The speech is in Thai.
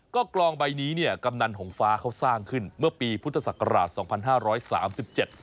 ก็กรองใบนี้เนี่ยกำนันหงฟ้าเขาสร้างขึ้นเมื่อปีพุทธศักราช๒๕๓๗